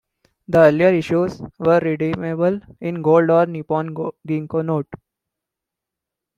The earlier issues were redeemable "in Gold or Nippon Ginko Note".